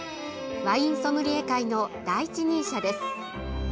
ワインソムリエ界の第一人者です。